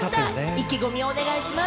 意気込みをお願いします。